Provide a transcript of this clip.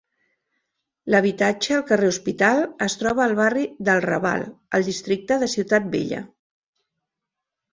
L'habitatge al carrer Hospital es troba al barri del Raval, al districte de Ciutat Vella.